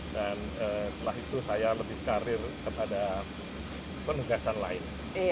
dan setelah itu saya lebih karir kepada penugasan lain